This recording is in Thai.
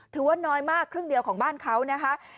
ถือว่าน้อยมากครึ่งเดียวของบ้านเขานะคะ